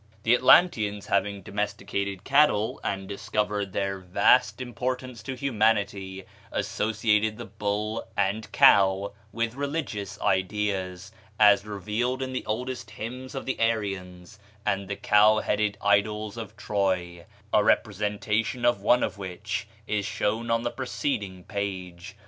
The Atlanteans having domesticated cattle, and discovered their vast importance to humanity, associated the bull and cow with religious ideas, as revealed in the oldest hymns of the Aryans and the cow headed idols of Troy, a representation of one of which is shown on the preceding page.